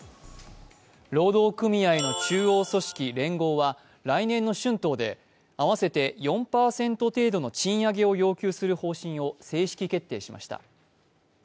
労働組合の中央組織、連合は来年の春闘で合わせて４％程度の賃上げを要求する方針を正式決定しました。